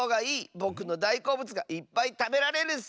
ぼくのだいこうぶつがいっぱいたべられるッス！